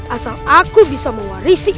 asal aku bisa mewarisi